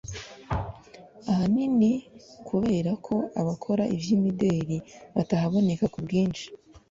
ahanini kubera ko n'abakora ivy'imideri batahaboneka ku bwinshi